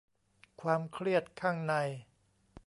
ความเครียดข้างใน